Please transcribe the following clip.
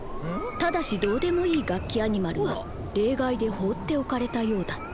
ただしどうでもいいガッキアニマルは例外で放っておかれたようだった。